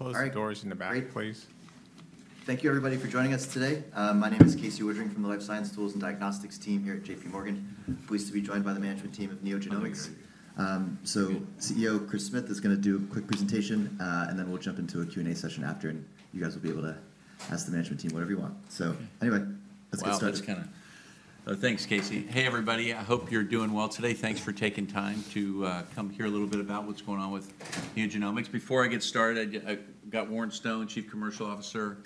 Can you close the doors in the back, please? Thank you, everybody, for joining us today. My name is Casey Woodring from the Life Science Tools and Diagnostics team here at JPMorgan. I'm pleased to be joined by the management team of NeoGenomics. So CEO Chris Smith is going to do a quick presentation, and then we'll jump into a Q&A session after, and you guys will be able to ask the management team whatever you want. So anyway, let's get started. Thanks, Casey. Hey, everybody. I hope you're doing well today. Thanks for taking time to come hear a little bit about what's going on with NeoGenomics. Before I get started, I've got Warren Stone, Chief Commercial Officer,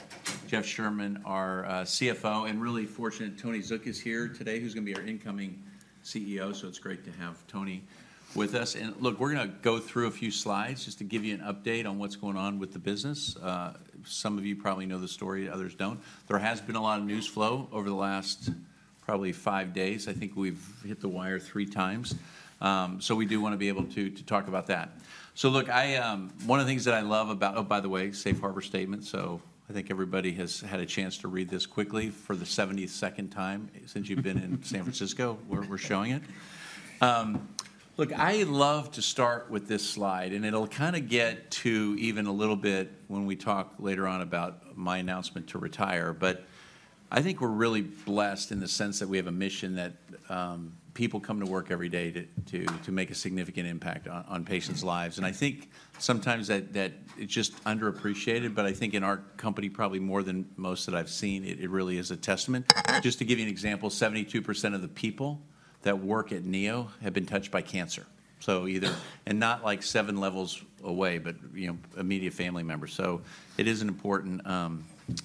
Jeff Sherman, our CFO, and really fortunate, Tony Zook is here today, who's going to be our incoming CEO. So it's great to have Tony with us. And look, we're going to go through a few slides just to give you an update on what's going on with the business. Some of you probably know the story; others don't. There has been a lot of news flow over the last probably five days. I think we've hit the wire three times. So we do want to be able to talk about that. Look, one of the things that I love about. Oh, by the way, Safe Harbor statement. I think everybody has had a chance to read this quickly for the 72nd time since you've been in San Francisco. We're showing it. Look, I love to start with this slide, and it'll kind of get to even a little bit when we talk later on about my announcement to retire. I think we're really blessed in the sense that we have a mission that people come to work every day to make a significant impact on patients' lives. I think sometimes that it's just underappreciated, but I think in our company, probably more than most that I've seen, it really is a testament. Just to give you an example, 72% of the people that work at Neo have been touched by cancer. And not like seven levels away, but immediate family members. So it is an important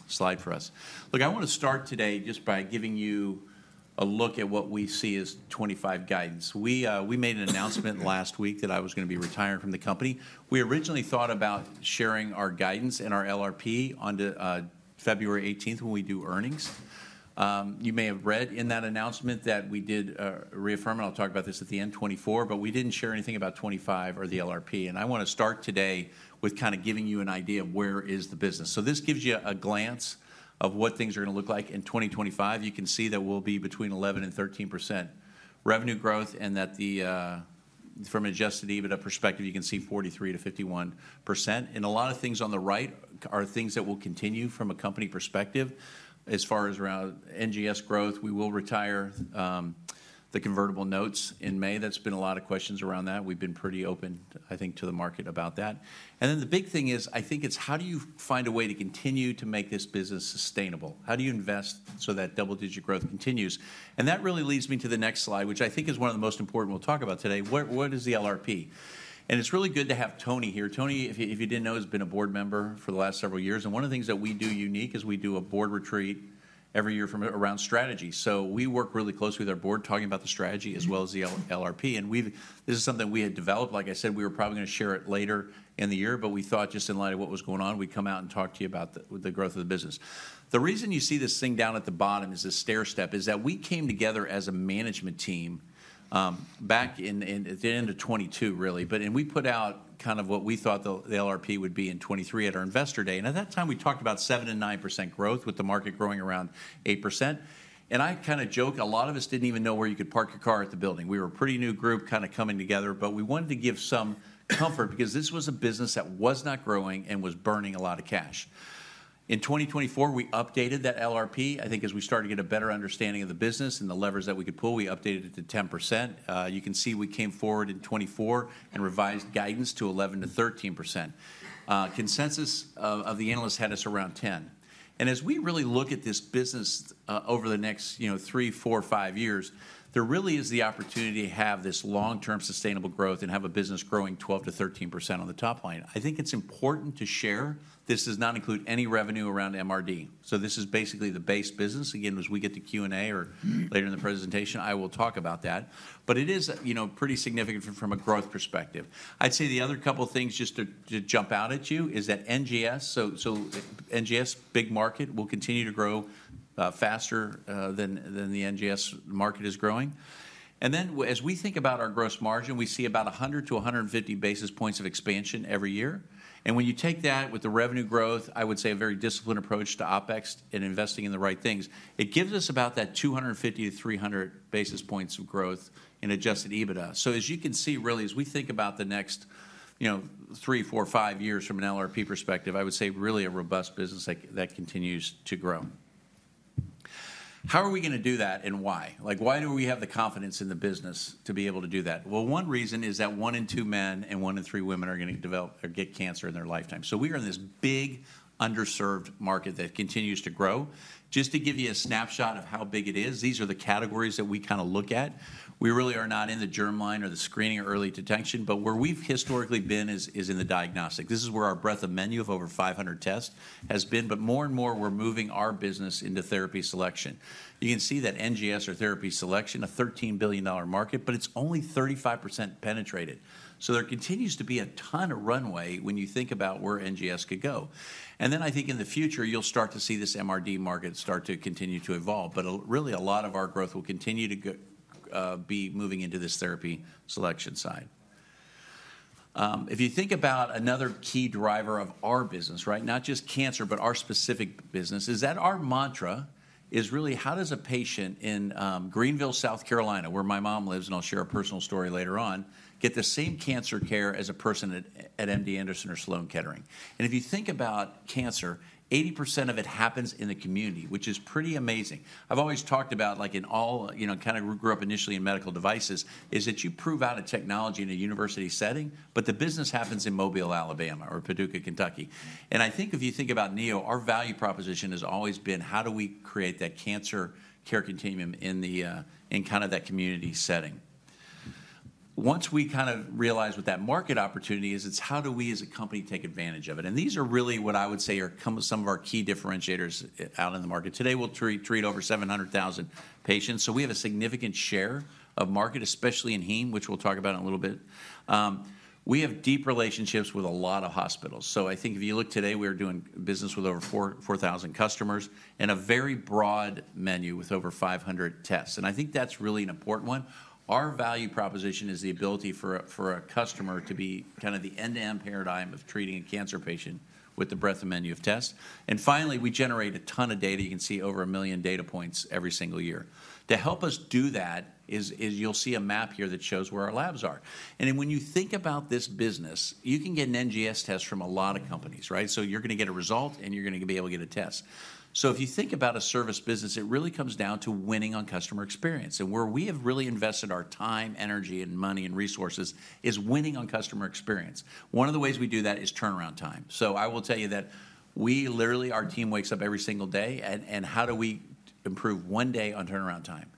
slide for us. Look, I want to start today just by giving you a look at what we see as 2025 guidance. We made an announcement last week that I was going to be retiring from the company. We originally thought about sharing our guidance and our LRP on February 18th when we do earnings. You may have read in that announcement that we did reaffirm, and I'll talk about this at the end, 2024, but we didn't share anything about 2025 or the LRP. And I want to start today with kind of giving you an idea of where is the business. So this gives you a glance of what things are going to look like in 2025. You can see that we'll be between 11% and 13% revenue growth, and that from an Adjusted EBITDA perspective, you can see 43%-51%. And a lot of things on the right are things that will continue from a company perspective. As far as around NGS growth, we will retire the convertible notes in May. There's been a lot of questions around that. We've been pretty open, I think, to the market about that. And then the big thing is, I think it's how do you find a way to continue to make this business sustainable? How do you invest so that double-digit growth continues? And that really leads me to the next slide, which I think is one of the most important we'll talk about today. What is the LRP? And it's really good to have Tony here. Tony, if you didn't know, has been a board member for the last several years, and one of the things that we do unique is we do a board retreat every year around strategy, so we work really closely with our board talking about the strategy as well as the LRP, and this is something we had developed. Like I said, we were probably going to share it later in the year, but we thought just in light of what was going on, we'd come out and talk to you about the growth of the business. The reason you see this thing down at the bottom is the stair step, is that we came together as a management team back at the end of 2022, really, and we put out kind of what we thought the LRP would be in 2023 at our investor day. And at that time, we talked about 7% and 9% growth with the market growing around 8%. And I kind of joke, a lot of us didn't even know where you could park your car at the building. We were a pretty new group kind of coming together, but we wanted to give some comfort because this was a business that was not growing and was burning a lot of cash. In 2024, we updated that LRP. I think as we started to get a better understanding of the business and the levers that we could pull, we updated it to 10%. You can see we came forward in 2024 and revised guidance to 11% to 13%. Consensus of the analysts had us around 10%. And as we really look at this business over the next three, four, five years, there really is the opportunity to have this long-term sustainable growth and have a business growing 12%-13% on the top line. I think it's important to share. This does not include any revenue around MRD. So this is basically the base business. Again, as we get to Q&A or later in the presentation, I will talk about that. But it is pretty significant from a growth perspective. I'd say the other couple of things just to jump out at you is that NGS, so NGS, big market, will continue to grow faster than the NGS market is growing. And then as we think about our gross margin, we see about 100-150 basis points of expansion every year. And when you take that with the revenue growth, I would say a very disciplined approach to OpEx and investing in the right things, it gives us about that 250-300 basis points of growth in Adjusted EBITDA. So as you can see, really, as we think about the next three, four, five years from an LRP perspective, I would say really a robust business that continues to grow. How are we going to do that and why? Why do we have the confidence in the business to be able to do that? Well, one reason is that one in two men and one in three women are going to get cancer in their lifetime. So we are in this big underserved market that continues to grow. Just to give you a snapshot of how big it is, these are the categories that we kind of look at. We really are not in the germline or the screening or early detection, but where we've historically been is in the diagnostic. This is where our breadth of menu of over 500 tests has been, but more and more, we're moving our business into therapy selection. You can see that NGS or therapy selection, a $13 billion market, but it's only 35% penetrated, so there continues to be a ton of runway when you think about where NGS could go, and then I think in the future, you'll start to see this MRD market start to continue to evolve, but really, a lot of our growth will continue to be moving into this therapy selection side. If you think about another key driver of our business, not just cancer, but our specific business, is that our mantra is really how does a patient in Greenville, South Carolina, where my mom lives, and I'll share a personal story later on, get the same cancer care as a person at MD Anderson or Sloan Kettering? If you think about cancer, 80% of it happens in the community, which is pretty amazing. I've always talked about, like in all kind of grew up initially in medical devices, is that you prove out a technology in a university setting, but the business happens in Mobile, Alabama, or Paducah, Kentucky. I think if you think about Neo, our value proposition has always been how do we create that cancer care continuum in kind of that community setting. Once we kind of realize what that market opportunity is, it's how do we as a company take advantage of it? And these are really what I would say are some of our key differentiators out in the market. Today, we'll treat over 700,000 patients. So we have a significant share of market, especially in Heme, which we'll talk about in a little bit. We have deep relationships with a lot of hospitals. So I think if you look today, we are doing business with over 4,000 customers and a very broad menu with over 500 tests. And I think that's really an important one. Our value proposition is the ability for a customer to be kind of the end-to-end paradigm of treating a cancer patient with the breadth of menu of tests. And finally, we generate a ton of data. You can see over a million data points every single year. To help us do that, you'll see a map here that shows where our labs are. And when you think about this business, you can get an NGS test from a lot of companies, right? So you're going to get a result, and you're going to be able to get a test. So if you think about a service business, it really comes down to winning on customer experience. And where we have really invested our time, energy, and money and resources is winning on customer experience. One of the ways we do that is turnaround time. So I will tell you that we literally, our team wakes up every single day. And how do we improve one day on turnaround time?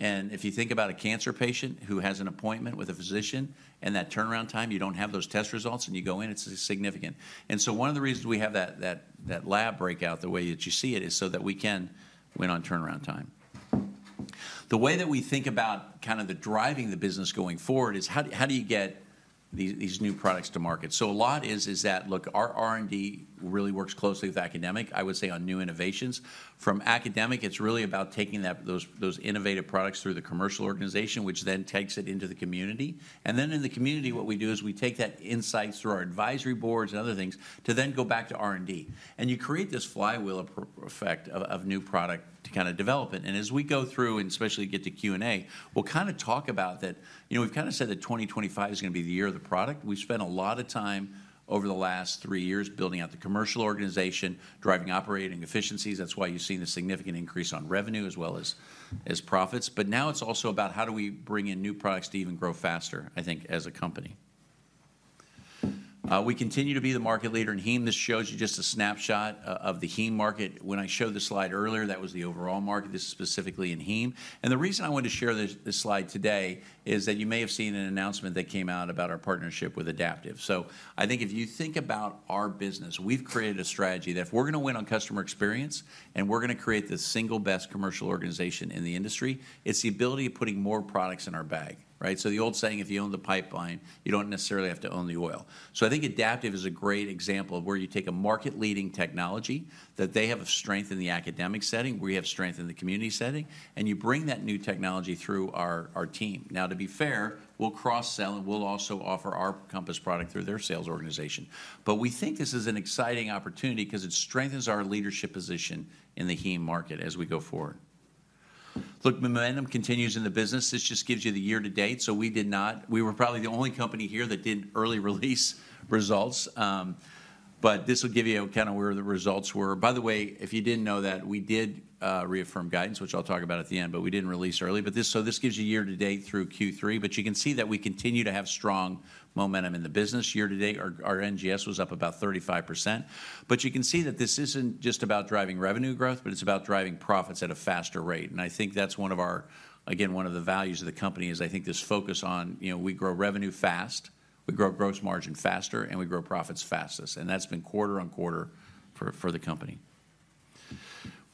If you think about a cancer patient who has an appointment with a physician, and that turnaround time, you don't have those test results, and you go in, it's significant. So one of the reasons we have that lab breakout, the way that you see it, is so that we can win on turnaround time. The way that we think about kind of driving the business going forward is how do you get these new products to market? So a lot is that, look, our R&D really works closely with academic, I would say, on new innovations. From academic, it's really about taking those innovative products through the commercial organization, which then takes it into the community. Then in the community, what we do is we take that insight through our advisory boards and other things to then go back to R&D. You create this flywheel effect of new product to kind of develop it. As we go through and especially get to Q&A, we'll kind of talk about that. We've kind of said that 2025 is going to be the year of the product. We've spent a lot of time over the last three years building out the commercial organization, driving operating efficiencies. That's why you've seen a significant increase on revenue as well as profits. Now it's also about how do we bring in new products to even grow faster, I think, as a company. We continue to be the market leader in Heme. This shows you just a snapshot of the Heme market. When I showed the slide earlier, that was the overall market. This is specifically in Heme. And the reason I wanted to share this slide today is that you may have seen an announcement that came out about our partnership with Adaptive. So I think if you think about our business, we've created a strategy that if we're going to win on customer experience and we're going to create the single best commercial organization in the industry, it's the ability of putting more products in our bag, right? So the old saying, if you own the pipeline, you don't necessarily have to own the oil. So I think Adaptive is a great example of where you take a market-leading technology that they have strength in the academic setting, we have strength in the community setting, and you bring that new technology through our team. Now, to be fair, we'll cross-sell and we'll also offer our Compass product through their sales organization. But we think this is an exciting opportunity because it strengthens our leadership position in the Heme market as we go forward. Look, momentum continues in the business. This just gives you the year-to-date. So we were probably the only company here that didn't early release results. But this will give you kind of where the results were. By the way, if you didn't know that, we did reaffirm guidance, which I'll talk about at the end, but we didn't release early. But so this gives you year-to-date through Q3. But you can see that we continue to have strong momentum in the business. Year-to-date, our NGS was up about 35%. But you can see that this isn't just about driving revenue growth, but it's about driving profits at a faster rate. And I think that's one of our, again, one of the values of the company is I think this focus on we grow revenue fast, we grow gross margin faster, and we grow profits fastest. And that's been quarter on quarter for the company.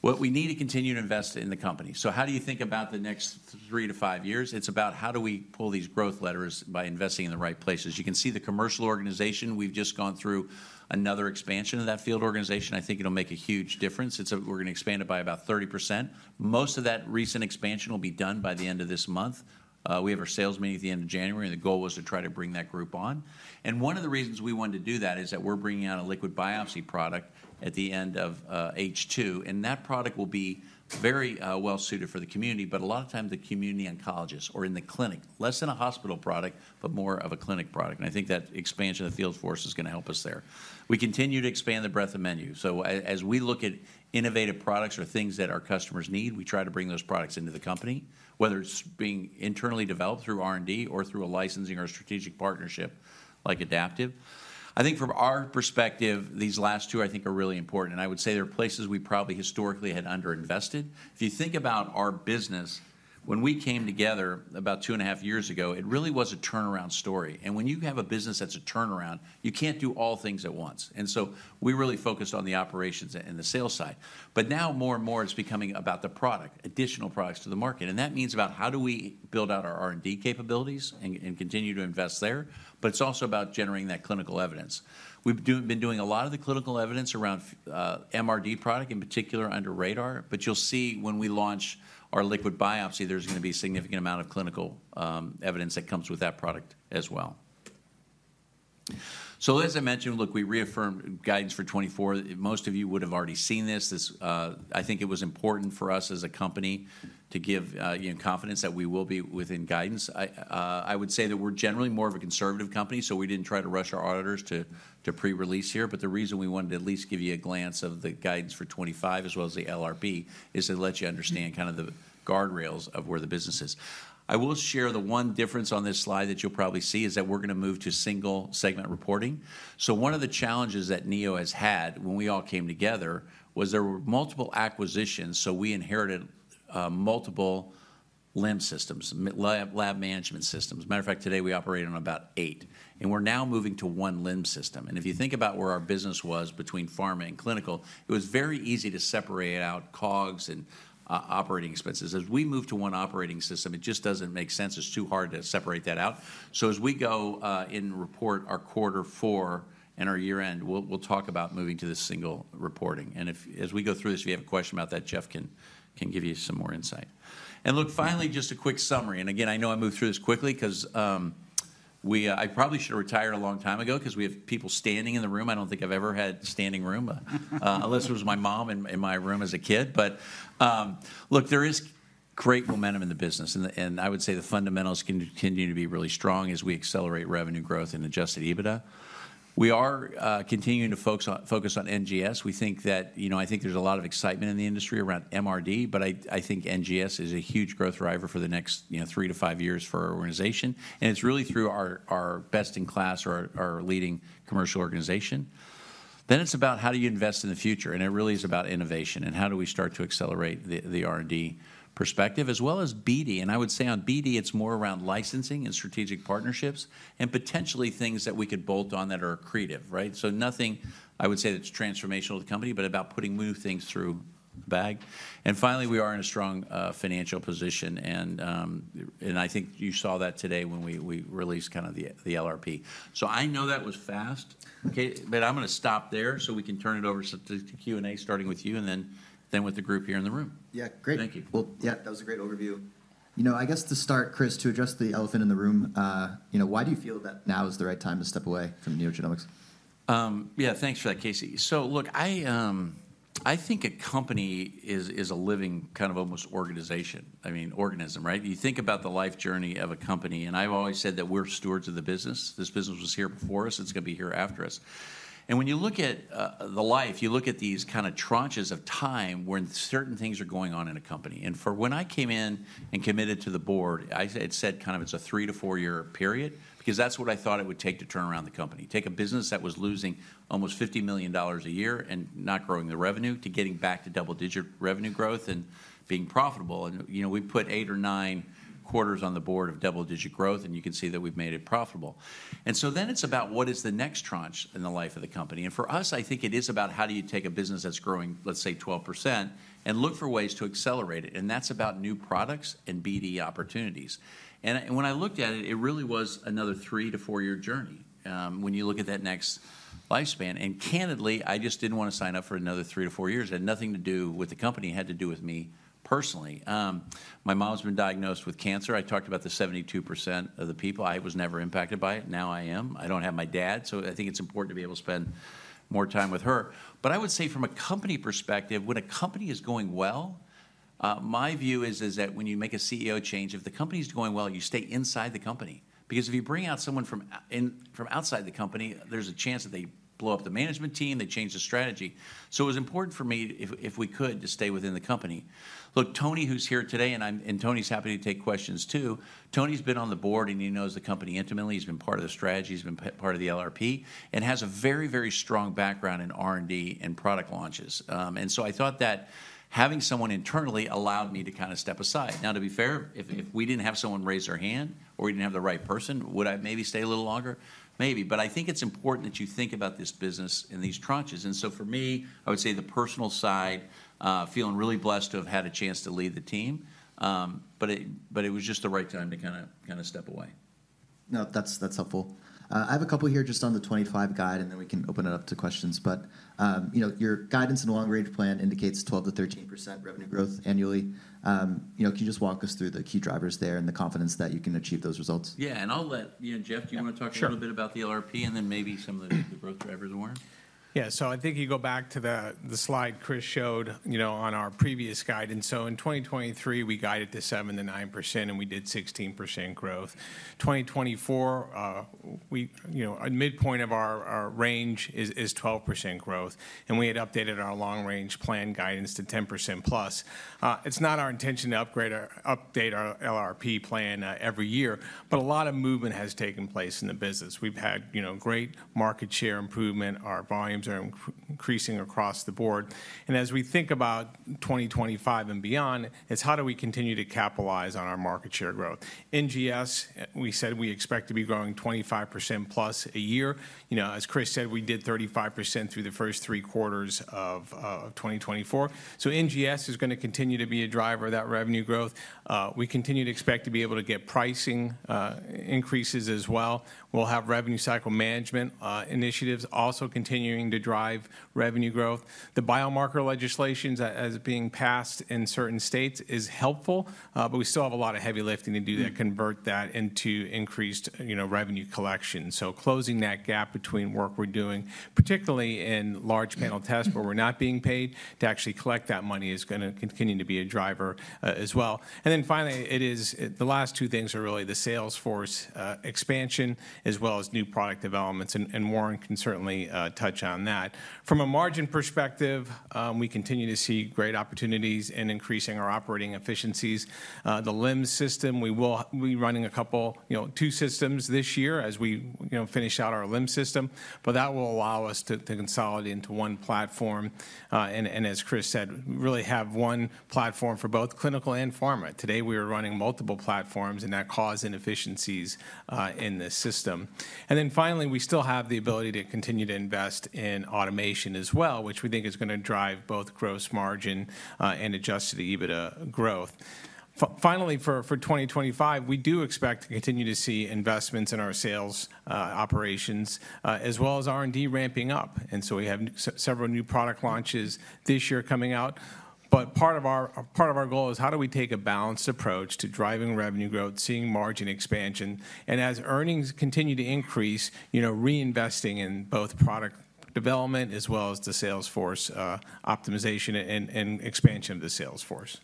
What we need to continue to invest in the company. So how do you think about the next three to five years? It's about how do we pull these growth levers by investing in the right places. You can see the commercial organization. We've just gone through another expansion of that field organization. I think it'll make a huge difference. We're going to expand it by about 30%. Most of that recent expansion will be done by the end of this month. We have our sales meeting at the end of January, and the goal was to try to bring that group on. And one of the reasons we wanted to do that is that we're bringing out a liquid biopsy product at the end of H2. And that product will be very well suited for the community, but a lot of times the community oncologists or in the clinic, less than a hospital product, but more of a clinic product. And I think that expansion of the field force is going to help us there. We continue to expand the breadth of menu. So as we look at innovative products or things that our customers need, we try to bring those products into the company, whether it's being internally developed through R&D or through a licensing or a strategic partnership like Adaptive. I think from our perspective, these last two, I think, are really important. And I would say there are places we probably historically had underinvested. If you think about our business, when we came together about 2.5 years ago, it really was a turnaround story, and when you have a business that's a turnaround, you can't do all things at once, and so we really focused on the operations and the sales side, but now more and more, it's becoming about the product, additional products to the market, and that means about how do we build out our R&D capabilities and continue to invest there, but it's also about generating that clinical evidence. We've been doing a lot of the clinical evidence around MRD product, in particular RaDaR, but you'll see when we launch our liquid biopsy, there's going to be a significant amount of clinical evidence that comes with that product as well, so as I mentioned, look, we reaffirmed guidance for 2024. Most of you would have already seen this. I think it was important for us as a company to give confidence that we will be within guidance. I would say that we're generally more of a conservative company, so we didn't try to rush our auditors to pre-release here. But the reason we wanted to at least give you a glance of the guidance for 2025 as well as the LRP is to let you understand kind of the guardrails of where the business is. I will share the one difference on this slide that you'll probably see is that we're going to move to single-segment reporting. So one of the challenges that Neo has had when we all came together was there were multiple acquisitions. So we inherited multiple LIMS, lab management systems. As a matter of fact, today we operate on about eight. We're now moving to one LIMS. If you think about where our business was between pharma and clinical, it was very easy to separate out COGS and operating expenses. As we move to one operating system, it just doesn't make sense. It's too hard to separate that out. So as we going to report our quarter four and our year-end, we'll talk about moving to this single reporting. As we go through this, if you have a question about that, Jeff can give you some more insight. Look, finally, just a quick summary. Again, I know I moved through this quickly because I probably should have retired a long time ago because we have people standing in the room. I don't think I've ever had standing room unless it was my mom in my room as a kid. Look, there is great momentum in the business. I would say the fundamentals continue to be really strong as we accelerate revenue growth and Adjusted EBITDA. We are continuing to focus on NGS. We think that I think there's a lot of excitement in the industry around MRD, but I think NGS is a huge growth driver for the next three to five years for our organization. It's really through our best in class or our leading commercial organization. It's about how do you invest in the future. It really is about innovation and how do we start to accelerate the R&D perspective as well as BD. I would say on BD, it's more around licensing and strategic partnerships and potentially things that we could bolt on that are creative, right? So nothing I would say that's transformational to the company, but about putting new things through the bag. And finally, we are in a strong financial position. And I think you saw that today when we released kind of the LRP. So I know that was fast, but I'm going to stop there so we can turn it over to Q&A, starting with you and then with the group here in the room. Yeah, great. Thank you. Well, yeah, that was a great overview. I guess to start, Chris, to address the elephant in the room, why do you feel that now is the right time to step away from NeoGenomics? Yeah, thanks for that, Casey. So look, I think a company is a living kind of almost organization, I mean, organism, right? You think about the life journey of a company. And I've always said that we're stewards of the business. This business was here before us. It's going to be here after us. And when you look at the life, you look at these kind of tranches of time when certain things are going on in a company. And for when I came in and committed to the board, I had said kind of it's a three to four-year period because that's what I thought it would take to turn around the company. Take a business that was losing almost $50 million a year and not growing the revenue to getting back to double-digit revenue growth and being profitable. And we put eight or nine quarters on the board of double-digit growth, and you can see that we've made it profitable. And so then it's about what is the next tranche in the life of the company. And for us, I think it is about how do you take a business that's growing, let's say, 12% and look for ways to accelerate it. And that's about new products and BD opportunities. And when I looked at it, it really was another three-to-four-year journey when you look at that next lifespan. And candidly, I just didn't want to sign up for another three-to-four years. It had nothing to do with the company. It had to do with me personally. My mom's been diagnosed with cancer. I talked about the 72% of the people. I was never impacted by it. Now I am. I don't have my dad. So I think it's important to be able to spend more time with her. But I would say from a company perspective, when a company is going well, my view is that when you make a CEO change, if the company's going well, you stay inside the company. Because if you bring out someone from outside the company, there's a chance that they blow up the management team, they change the strategy. It was important for me, if we could, to stay within the company. Look, Tony, who's here today, and Tony's happy to take questions too. Tony's been on the board, and he knows the company intimately. He's been part of the strategy. He's been part of the LRP and has a very, very strong background in R&D and product launches. And so I thought that having someone internally allowed me to kind of step aside. Now, to be fair, if we didn't have someone raise their hand or we didn't have the right person, would I maybe stay a little longer? Maybe. But I think it's important that you think about this business and these tranches. And so for me, I would say the personal side, feeling really blessed to have had a chance to lead the team. But it was just the right time to kind of step away. No, that's helpful. I have a couple here just on the 2025 guide, and then we can open it up to questions. But your guidance and long-range plan indicates 12%-13% revenue growth annually. Can you just walk us through the key drivers there and the confidence that you can achieve those results? Yeah. And I'll let Jeff, do you want to talk a little bit about the LRP and then maybe some of the growth drivers, Warren? Yeah. So I think you go back to the slide Chris showed on our previous guidance, so in 2023, we guided to 7%-9%, and we did 16% growth. 2024, midpoint of our range is 12% growth, and we had updated our long-range plan guidance to 10% plus. It's not our intention to update our LRP plan every year, but a lot of movement has taken place in the business. We've had great market share improvement. Our volumes are increasing across the board, and as we think about 2025 and beyond, it's how do we continue to capitalize on our market share growth? NGS, we said we expect to be growing 25% plus a year. As Chris said, we did 35% through the first three quarters of 2024, so NGS is going to continue to be a driver of that revenue growth. We continue to expect to be able to get pricing increases as well. We'll have revenue cycle management initiatives also continuing to drive revenue growth. The biomarker legislations as being passed in certain states is helpful, but we still have a lot of heavy lifting to do to convert that into increased revenue collection. So closing that gap between work we're doing, particularly in large panel tests where we're not being paid to actually collect that money is going to continue to be a driver as well, and then finally, the last two things are really the sales force expansion as well as new product developments, and Warren can certainly touch on that. From a margin perspective, we continue to see great opportunities in increasing our operating efficiencies. The LIMS, we will be running a couple, two systems this year as we finish out our LIMS. But that will allow us to consolidate into one platform. And as Chris said, really have one platform for both clinical and pharma. Today, we are running multiple platforms, and that caused inefficiencies in the system. And then finally, we still have the ability to continue to invest in automation as well, which we think is going to drive both gross margin and Adjusted EBITDA growth. Finally, for 2025, we do expect to continue to see investments in our sales operations as well as R&D ramping up. And so we have several new product launches this year coming out. But part of our goal is how do we take a balanced approach to driving revenue growth, seeing margin expansion. And as earnings continue to increase, reinvesting in both product development as well as the sales force optimization and expansion of the sales force.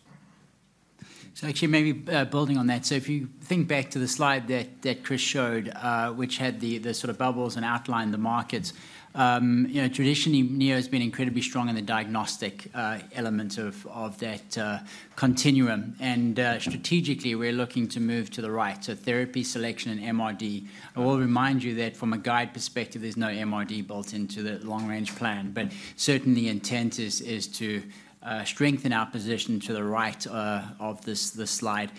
So actually, maybe building on that, so if you think back to the slide that Chris showed, which had the sort of bubbles and outlined the markets, traditionally, Neo has been incredibly strong in the diagnostic element of that continuum. And strategically, we're looking to move to the right. So therapy selection and MRD. I will remind you that from a guide perspective, there's no MRD built into the long-range plan. But certainly, the intent is to strengthen our position to the right of this slide.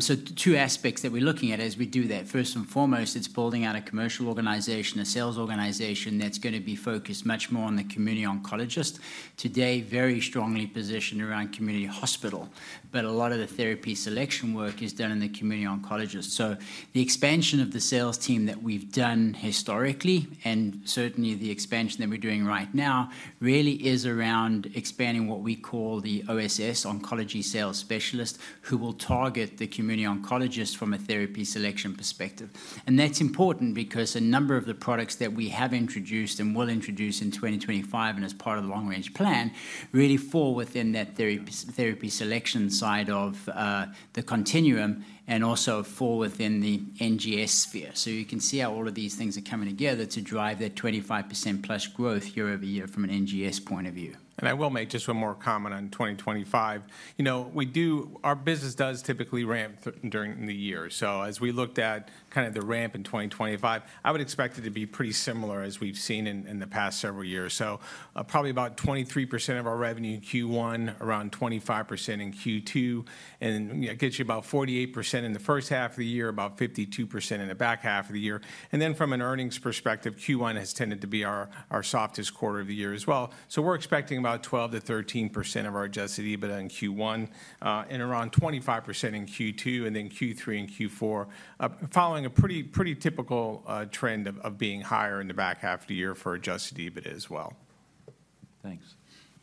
So two aspects that we're looking at as we do that. First and foremost, it's building out a commercial organization, a sales organization that's going to be focused much more on the community oncologist. Today, very strongly positioned around community hospital. But a lot of the therapy selection work is done in the community oncologist. So the expansion of the sales team that we've done historically, and certainly the expansion that we're doing right now, really is around expanding what we call the OSS, oncology sales specialist, who will target the community oncologist from a therapy selection perspective. And that's important because a number of the products that we have introduced and will introduce in 2025 and as part of the long-range plan really fall within that therapy selection side of the continuum and also fall within the NGS sphere. So you can see how all of these things are coming together to drive that 25% plus growth year over year from an NGS point of view. I will make just one more comment on 2025. Our business does typically ramp during the year. As we looked at kind of the ramp in 2025, I would expect it to be pretty similar as we've seen in the past several years. Probably about 23% of our revenue in Q1, around 25% in Q2. It gets you about 48% in the first half of the year, about 52% in the back half of the year. From an earnings perspective, Q1 has tended to be our softest quarter of the year as well. We're expecting about 12%-13% of our Adjusted EBITDA in Q1 and around 25% in Q2 and then Q3 and Q4, following a pretty typical trend of being higher in the back half of the year for Adjusted EBITDA as well. Thanks.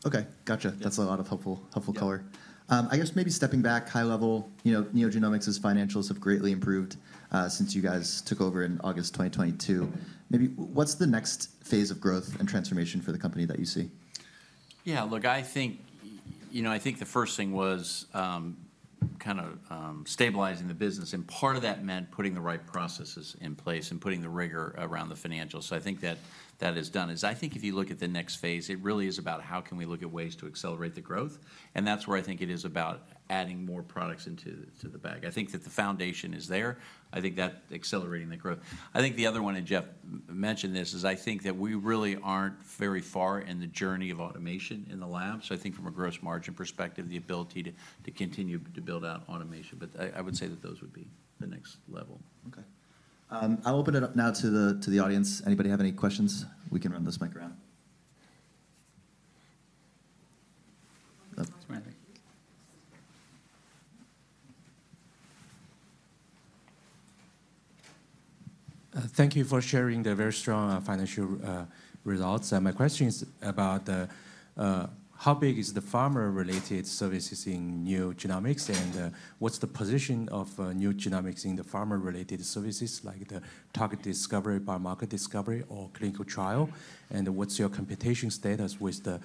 Okay. Gotcha. That's a lot of helpful color. I guess maybe stepping back, high level, NeoGenomics' financials have greatly improved since you guys took over in August 2022. Maybe what's the next phase of growth and transformation for the company that you see? Yeah, look, I think the first thing was kind of stabilizing the business and part of that meant putting the right processes in place and putting the rigor around the financials, so I think that is done. I think if you look at the next phase, it really is about how can we look at ways to accelerate the growth and that's where I think it is about adding more products into the bag. I think that the foundation is there. I think that accelerating the growth. I think the other one, and Jeff mentioned this, is I think that we really aren't very far in the journey of automation in the lab, so I think from a gross margin perspective, the ability to continue to build out automation, but I would say that those would be the next level. Okay. I'll open it up now to the audience. Anybody have any questions? We can run this mic around. Thank you for sharing the very strong financial results. My question is about how big is the pharma-related services in NeoGenomics and what's the position of NeoGenomics in the pharma-related services like the target discovery, biomarker discovery, or clinical trial? And what's your competitive status with the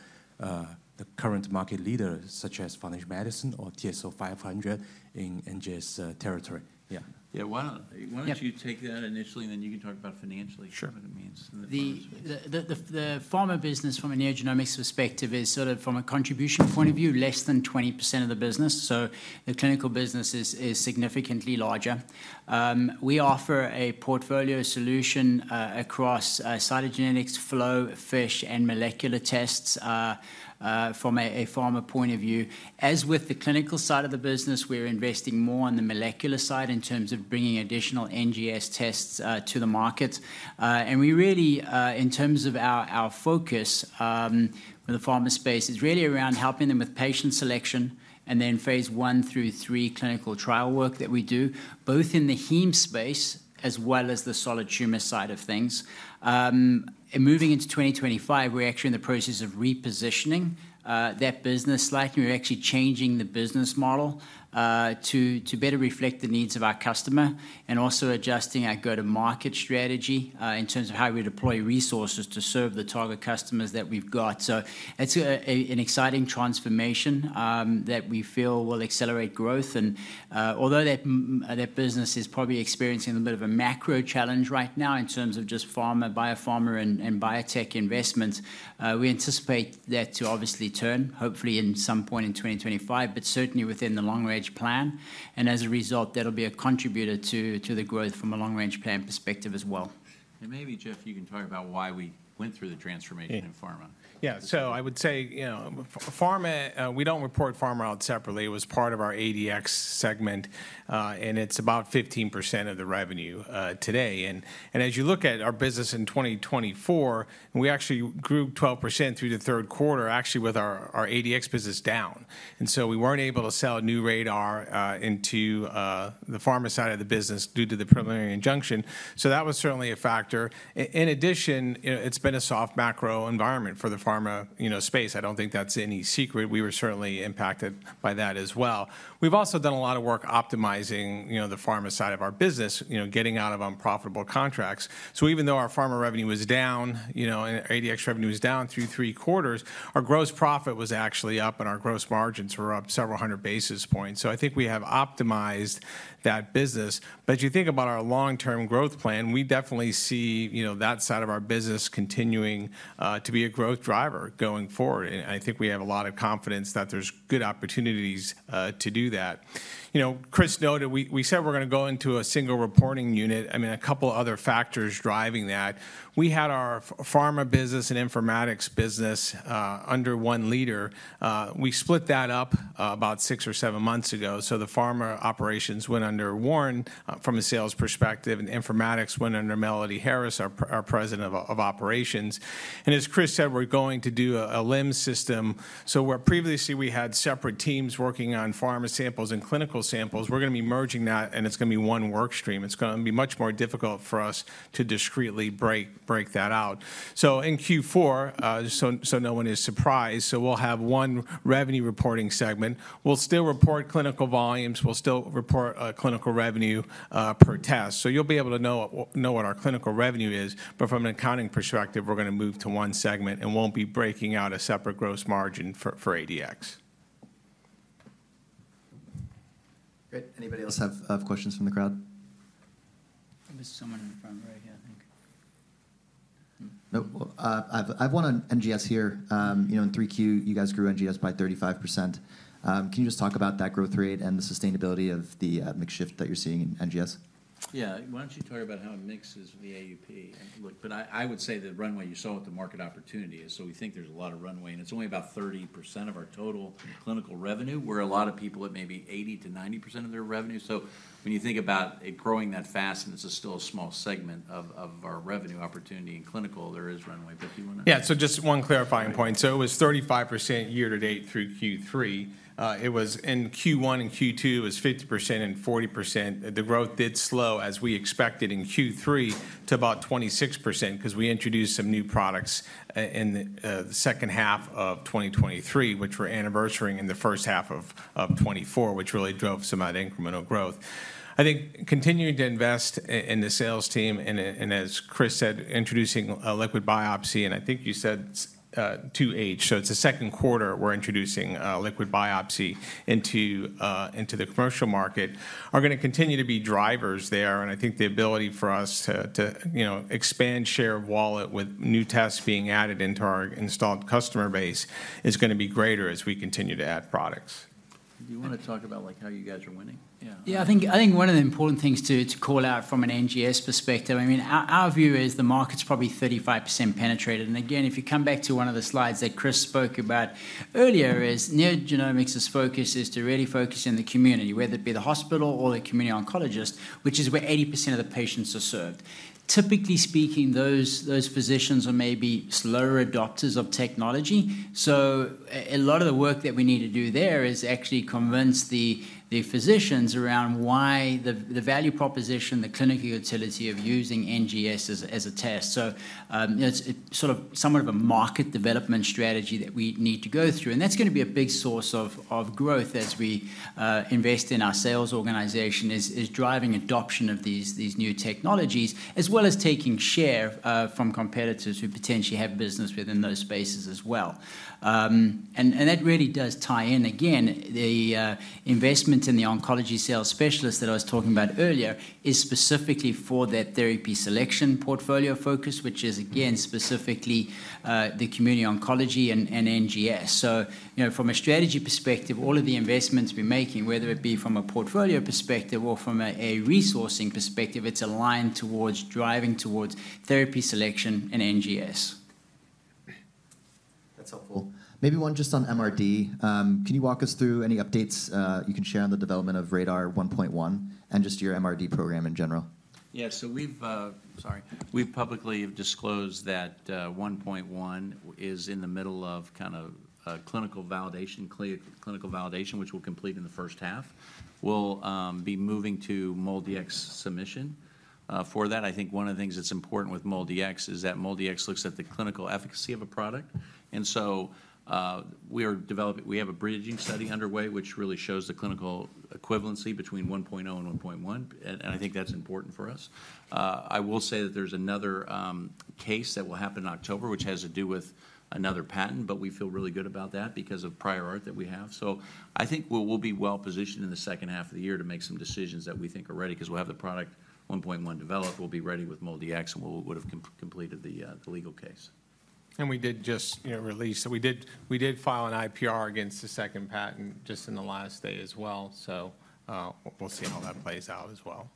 current market leaders such as Foundation Medicine or TSO 500 in NGS territory? Yeah. Yeah, why don't you take that initially, and then you can talk about financially what it means. The pharma business from a NeoGenomics perspective is sort of from a contribution point of view, less than 20% of the business, so the clinical business is significantly larger. We offer a portfolio solution across cytogenetics, flow, FISH, and molecular tests from a pharma point of view. As with the clinical side of the business, we're investing more on the molecular side in terms of bringing additional NGS tests to the market, and really, in terms of our focus with the pharma space, it's really around helping them with patient selection and then phase one through three clinical trial work that we do, both in the heme space as well as the solid tumor side of things, and moving into 2025, we're actually in the process of repositioning that business slightly. We're actually changing the business model to better reflect the needs of our customer and also adjusting our go-to-market strategy in terms of how we deploy resources to serve the target customers that we've got. So it's an exciting transformation that we feel will accelerate growth. And although that business is probably experiencing a bit of a macro challenge right now in terms of just pharma, biopharma, and biotech investments, we anticipate that to obviously turn, hopefully in some point in 2025, but certainly within the long-range plan. And as a result, that'll be a contributor to the growth from a long-range plan perspective as well. Maybe, Jeff, you can talk about why we went through the transformation in pharma. Yeah. So I would say pharma, we don't report pharma out separately. It was part of our ADX segment, and it's about 15% of the revenue today. And as you look at our business in 2024, we actually grew 12% through the third quarter, actually with our ADX business down. And so we weren't able to sell new RaDaR into the pharma side of the business due to the preliminary injunction. So that was certainly a factor. In addition, it's been a soft macro environment for the pharma space. I don't think that's any secret. We were certainly impacted by that as well. We've also done a lot of work optimizing the pharma side of our business, getting out of unprofitable contracts. So even though our pharma revenue was down, our ADX revenue was down through three quarters, our gross profit was actually up, and our gross margins were up several hundred basis points. So I think we have optimized that business. But as you think about our long-term growth plan, we definitely see that side of our business continuing to be a growth driver going forward. And I think we have a lot of confidence that there's good opportunities to do that. Chris noted, we said we're going to go into a single reporting unit. I mean, a couple of other factors driving that. We had our pharma business and informatics business under one leader. We split that up about six or seven months ago. So the pharma operations went under Warren from a sales perspective, and informatics went under Melody Harris, our President of Operations. As Chris said, we're going to do a LIMS. So where previously we had separate teams working on pharma samples and clinical samples, we're going to be merging that, and it's going to be one work stream. It's going to be much more difficult for us to discretely break that out. So in Q4, so no one is surprised, so we'll have one revenue reporting segment. We'll still report clinical volumes. We'll still report clinical revenue per test. So you'll be able to know what our clinical revenue is. But from an accounting perspective, we're going to move to one segment and won't be breaking out a separate gross margin for ADX. Great. Anybody else have questions from the crowd? I missed someone in the front row here, I think. Nope. I have one on NGS here. In 3Q, you guys grew NGS by 35%. Can you just talk about that growth rate and the sustainability of the mix shift that you're seeing in NGS? Yeah. Why don't you talk about how it mixes with the AUP? But I would say the runway you saw with the market opportunity is so we think there's a lot of runway, and it's only about 30% of our total clinical revenue. We're a lot of people at maybe 80%-90% of their revenue. So when you think about it growing that fast, and this is still a small segment of our revenue opportunity in clinical, there is runway. But do you want to? Yeah, so just one clarifying point. It was 35% year to date through Q3. In Q1 and Q2, it was 50% and 40%. The growth did slow as we expected in Q3 to about 26% because we introduced some new products in the second half of 2023, which we're anniversarying in the first half of 2024, which really drove some of that incremental growth. I think continuing to invest in the sales team and, as Chris said, introducing a liquid biopsy. And I think you said 2H. It's the second quarter we're introducing a liquid biopsy into the commercial market. They are going to continue to be drivers there. And I think the ability for us to expand share of wallet with new tests being added into our installed customer base is going to be greater as we continue to add products. Do you want to talk about how you guys are winning? Yeah. I think one of the important things to call out from an NGS perspective, I mean, our view is the market's probably 35% penetrated. And again, if you come back to one of the slides that Chris spoke about earlier, is NeoGenomics' focus is to really focus in the community, whether it be the hospital or the community oncologist, which is where 80% of the patients are served. Typically speaking, those physicians are maybe slower adopters of technology. So a lot of the work that we need to do there is actually convince the physicians around why the value proposition, the clinical utility of using NGS as a test. So it's sort of somewhat of a market development strategy that we need to go through. That's going to be a big source of growth as we invest in our sales organization, is driving adoption of these new technologies, as well as taking share from competitors who potentially have business within those spaces as well. That really does tie in, again, the investment in the oncology sales specialist that I was talking about earlier is specifically for that therapy selection portfolio focus, which is, again, specifically the community oncology and NGS. From a strategy perspective, all of the investments we're making, whether it be from a portfolio perspective or from a resourcing perspective, it's aligned towards driving towards therapy selection and NGS. That's helpful. Maybe one just on MRD. Can you walk us through any updates you can share on the development of RaDaR 1.1 and just your MRD program in general? Yeah. So sorry, we've publicly disclosed that 1.1 is in the middle of kind of clinical validation, which we'll complete in the first half. We'll be moving to MolDX submission. For that, I think one of the things that's important with MolDX is that MolDX looks at the clinical efficacy of a product, and so we have a bridging study underway, which really shows the clinical equivalency between 1.0 and 1.1, and I think that's important for us. I will say that there's another case that will happen in October, which has to do with another patent, but we feel really good about that because of prior art that we have. So I think we'll be well positioned in the second half of the year to make some decisions that we think are ready because we'll have the product 1.1 developed. We'll be ready with MolDX, and we would have completed the legal case. We did just release. We did file an IPR against the second patent just in the last day as well. We'll see how that plays out as well.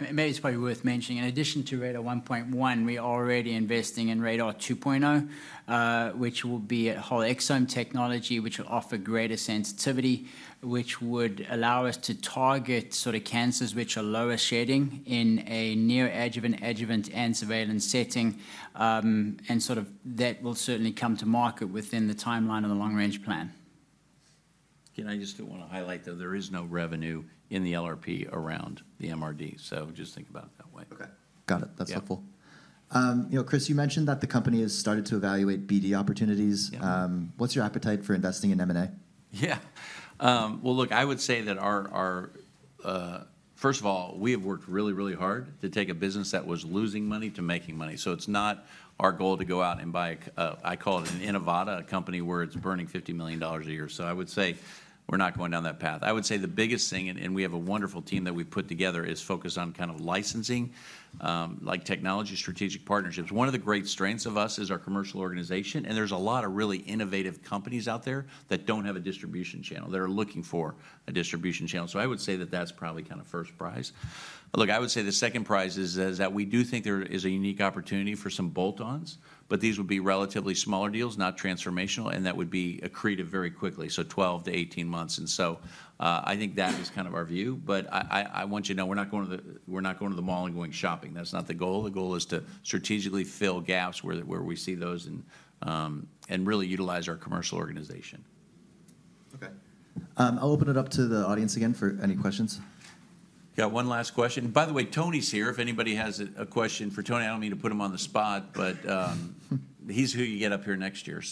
Maybe it's probably worth mentioning, in addition to RaDaR 1.1, we are already investing in RaDaR 2.0, which will be a whole exome technology, which will offer greater sensitivity, which would allow us to target sort of cancers which are lower shedding in a neoadjuvant, adjuvant, and surveillance setting. Sort of that will certainly come to market within the timeline of the long-range plan. Again, I just want to highlight that there is no revenue in the LRP around the MRD. So just think about it that way. Okay. Got it. That's helpful. Chris, you mentioned that the company has started to evaluate BD opportunities. What's your appetite for investing in M&A? Yeah. Well, look, I would say that our, first of all, we have worked really, really hard to take a business that was losing money to making money. So it's not our goal to go out and buy, I call it an Inivata, a company where it's burning $50 million a year. So I would say we're not going down that path. I would say the biggest thing, and we have a wonderful team that we've put together, is focused on kind of licensing, like technology, strategic partnerships. One of the great strengths of us is our commercial organization. And there's a lot of really innovative companies out there that don't have a distribution channel. They're looking for a distribution channel. So I would say that that's probably kind of first prize. Look, I would say the second prize is that we do think there is a unique opportunity for some bolt-ons, but these would be relatively smaller deals, not transformational, and that would be accretive very quickly, so 12-18 months. And so I think that is kind of our view. But I want you to know we're not going to the mall and going shopping. That's not the goal. The goal is to strategically fill gaps where we see those and really utilize our commercial organization. Okay. I'll open it up to the audience again for any questions. Got one last question. By the way, Tony's here. If anybody has a question for Tony, I don't mean to put him on the spot, but he's who you get up here next year.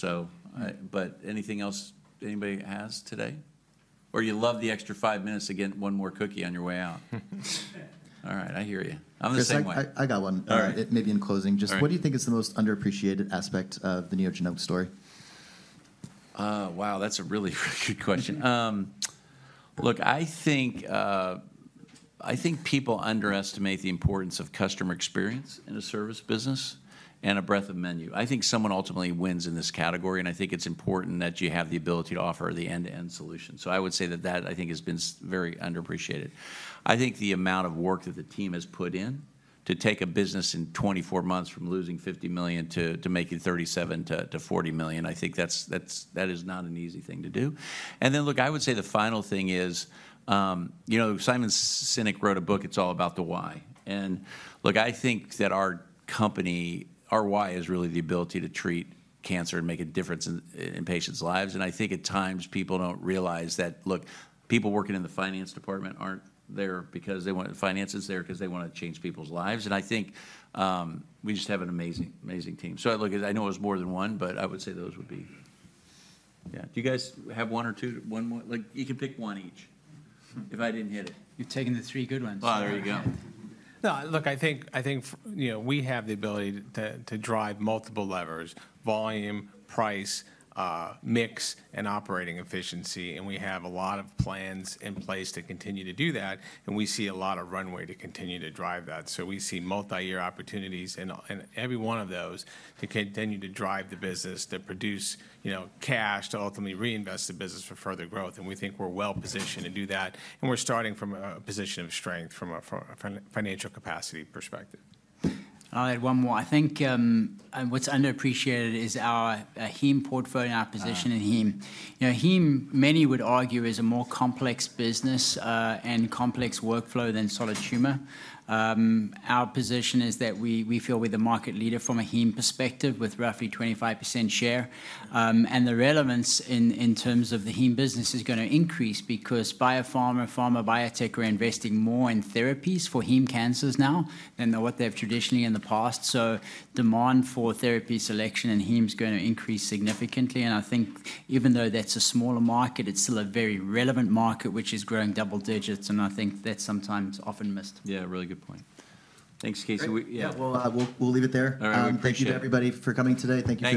But anything else anybody has today? Or you love the extra five minutes, again, one more cookie on your way out. All right. I hear you. I'm the same way. I got one. Maybe in closing, just what do you think is the most underappreciated aspect of the NeoGenomics story? Wow, that's a really good question. Look, I think people underestimate the importance of customer experience in a service business and a breadth of menu. I think someone ultimately wins in this category, and I think it's important that you have the ability to offer the end-to-end solution. So I would say that that, I think, has been very underappreciated. I think the amount of work that the team has put in to take a business in 24 months from losing $50 million to making $37-$40 million, I think that is not an easy thing to do. And then, look, I would say the final thing is Simon Sinek wrote a book, "It's All About the Why." Look, I think that our company, our why is really the ability to treat cancer and make a difference in patients' lives. And I think at times people don't realize that, look, people working in the finance department aren't there because they want the finances there, because they want to change people's lives. And I think we just have an amazing, amazing team. So look, I know it was more than one, but I would say those would be. Yeah. Do you guys have one or two? You can pick one each if I didn't hit it. You've taken the three good ones. Well, there you go. No, look, I think we have the ability to drive multiple levers: volume, price, mix, and operating efficiency. And we have a lot of plans in place to continue to do that. And we see a lot of runway to continue to drive that. So we see multi-year opportunities in every one of those to continue to drive the business, to produce cash, to ultimately reinvest the business for further growth. And we think we're well positioned to do that. And we're starting from a position of strength from a financial capacity perspective. I'll add one more. I think what's underappreciated is our heme portfolio and our position in heme. Heme, many would argue, is a more complex business and complex workflow than solid tumor. Our position is that we feel we're the market leader from a heme perspective with roughly 25% share. And the relevance in terms of the heme business is going to increase because biopharma and pharma biotech are investing more in therapies for heme cancers now than what they've traditionally in the past. So demand for therapy selection in heme is going to increase significantly. And I think even though that's a smaller market, it's still a very relevant market, which is growing double digits. And I think that's sometimes often missed. Yeah, really good point. Thanks, Casey. Yeah, we'll leave it there. Thank you to everybody for coming today. Thank you.